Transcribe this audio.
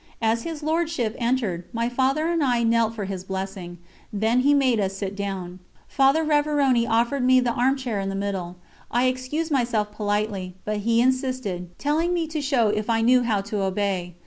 As his Lordship entered, my Father and I knelt for his blessing; then he made us sit down. Father Révérony offered me the armchair in the middle. I excused myself politely, but he insisted, telling me to show if I knew how to obey.